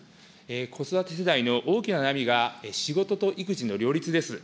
子育て世代の大きな悩みが仕事と育児の両立です。